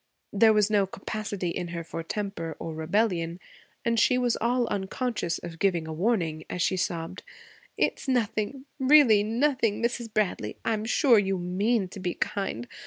There was no capacity in her for temper or rebellion, and she was all unconscious of giving a warning as she sobbed, 'It's nothing really nothing, Mrs. Bradley. I'm sure you mean to be kind.